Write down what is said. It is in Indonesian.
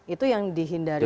itu yang dihindari juga